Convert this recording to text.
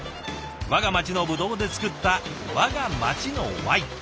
我が町のブドウで造った我が町のワイン。